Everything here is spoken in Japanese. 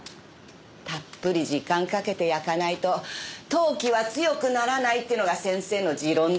たっぷり時間かけて焼かないと陶器は強くならないっていうのが先生の持論だからね。